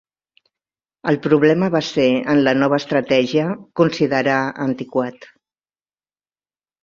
El problema va ser, en la nova estratègia, considerar antiquat.